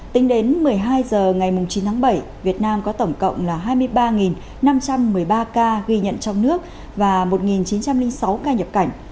tính đến một mươi hai h ngày chín tháng bảy việt nam có tổng cộng là hai mươi ba năm trăm một mươi ba ca ghi nhận trong nước và một chín trăm linh sáu ca nhập cảnh